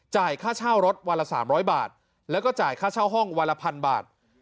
ค่าเช่ารถวันละ๓๐๐บาทแล้วก็จ่ายค่าเช่าห้องวันละพันบาท